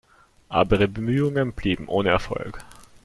Aber ihre Bemühungen blieben ohne Erfolg.